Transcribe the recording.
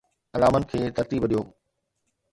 علامن کي ترتيب ڏيو